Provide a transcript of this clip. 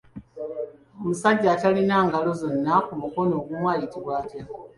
Omusajja atalina ngalo zonna ku mukono ogumu ayitibwa atya?